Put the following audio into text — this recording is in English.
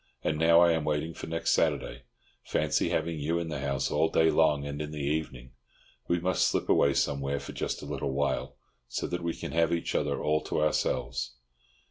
And now I am waiting for next Saturday. Fancy having you in the house all day long and in the evening! We must slip away somewhere for just a little while, so that we can have each other all to ourselves.